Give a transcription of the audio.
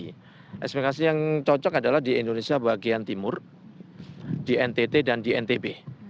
ekspektasi yang cocok adalah di indonesia bagian timur di ntt dan di ntb